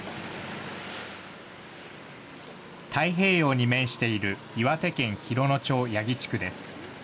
太平洋に面している岩手県洋野町八木地区です。